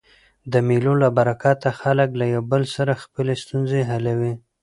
د مېلو له برکته خلک له یو بل سره خپلي ستونزي حلوي.